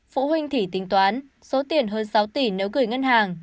phụ huynh thì tính toán số tiền hơn sáu tỷ nếu gửi ngân hàng